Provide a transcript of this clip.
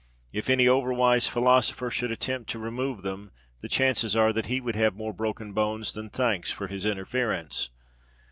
If any over wise philosopher should attempt to remove them, the chances are that he would have more broken bones than thanks for his interference.